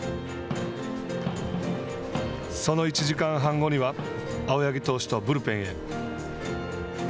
その１時間半後には青柳投手とブルペンへ。